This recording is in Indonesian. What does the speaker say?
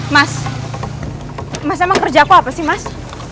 mas mas emang kerjaku apa sih mas